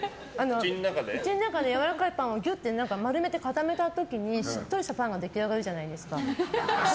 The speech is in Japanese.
口の中でやわらかいパンをぎゅって固めた時にしっとりしたパンが出来上がるじゃないですか。